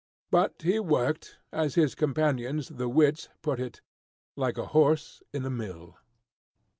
But he worked, as his companions, the wits, put it, like a horse in a mill.